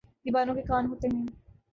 دیواروں کے کان ہوتے ہیں